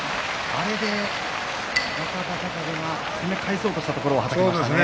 あれで若隆景が攻め返そうとしたところをはたきましたね。